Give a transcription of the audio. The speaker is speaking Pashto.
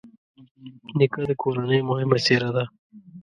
نیکه د کورنۍ مهمه څېره ده.